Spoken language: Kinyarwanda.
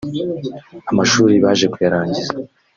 Amashuri baje kuyarangiza